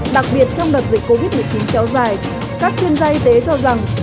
đặc biệt trong đợt dịch covid một mươi chín kéo dài các chuyên gia y tế cho rằng